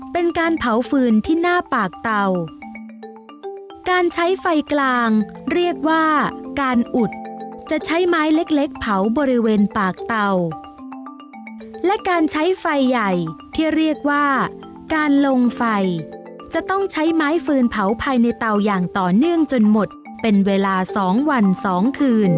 เป็นการเผาฟืนที่หน้าปากเตาการใช้ไฟกลางเรียกว่าการอุดจะใช้ไม้เล็กเล็กเผาบริเวณปากเตาและการใช้ไฟใหญ่ที่เรียกว่าการลงไฟจะต้องใช้ไม้ฟืนเผาภายในเตาอย่างต่อเนื่องจนหมดเป็นเวลาสองวันสองคืน